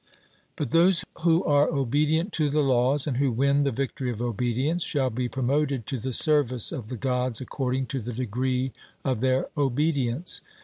But those who are obedient to the laws, and who win the victory of obedience, shall be promoted to the service of the Gods according to the degree of their obedience.